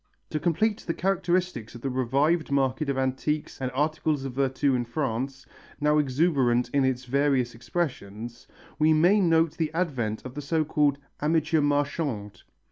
To complete the characteristics of the revived market of antiques and articles of virtu in France, now exuberant in its various expressions, we may note the advent of the so called amateur marchand.